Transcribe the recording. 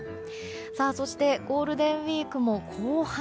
そしてゴールデンウィークも後半。